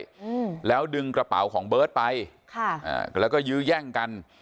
อืมแล้วดึงกระเป๋าของเบิร์ตไปค่ะอ่าแล้วก็ยื้อแย่งกัน